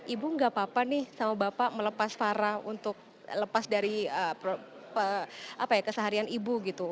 ibu gak apa apa nih sama bapak melepas farah untuk lepas dari keseharian ibu gitu